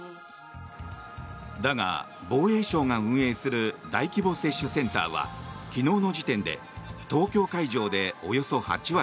だが、防衛省が運営する大規模接種センターは昨日の時点で東京会場でおよそ８割